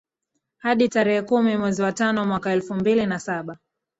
hadi tarehe kumi mwezi wa tano mwaka elfu mbili na saba